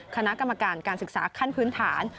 คณะกรรมการการศึกษาขั้นพื้นฐาน